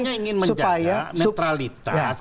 jadi kita hanya ingin menjaga neutralitas